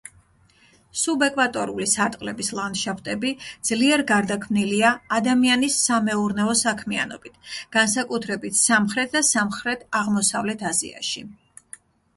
სუბეკვატორული სარტყლების ლანდშაფტები ძლიერ გარდაქმნილია ადამიანის სამეურნეო საქმიანობით, განსაკუთრებით სამხრეთ და სამხრეთ-აღმოსავლეთ აზიაში.